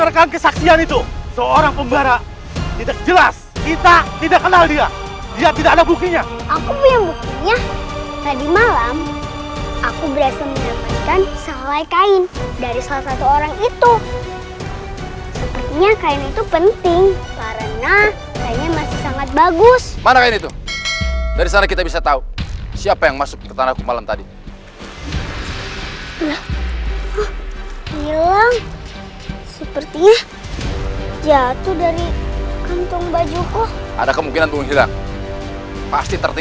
rai rara santan kelaparan